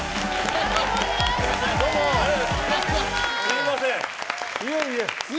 よろしくお願いします。